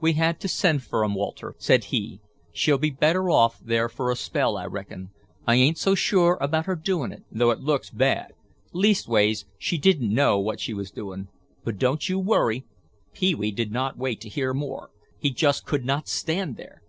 "We had to send fer 'em, Walter," said he. "She'll be better off there fer a spell, I reckon. I ain't so sure about her doin' it, though it looks bad. Leastways, she didn't know what she was doing. But don't you worry—" Pee wee did not wait to hear more. He just could not stand there.